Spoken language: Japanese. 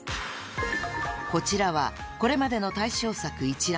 ［こちらはこれまでの大賞作一覧］